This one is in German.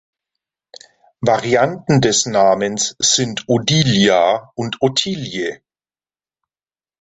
Varianten des Namens sind Odilia und Ottilie.